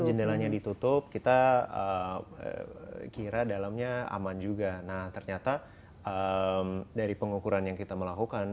jendelanya ditutup kita kira dalamnya aman juga nah ternyata dari pengukuran yang kita melakukan